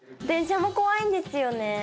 電車も怖いんですよね。